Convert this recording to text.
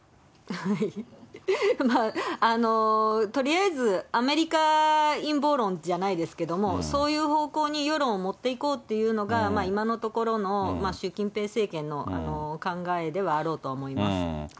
はい、まあ、とりあえずアメリカ陰謀論じゃないですけれども、そういう方向に世論を持っていこうというのが、今のところの習近平政権の考えではあろうとは思います。